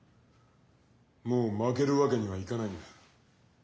もう負けるわけにはいかないんだ。